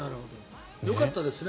よかったですね